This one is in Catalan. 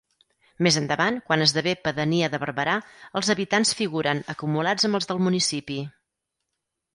Més endavant, quan esdevé pedania de Barberà, els habitants figuren acumulats amb els del municipi.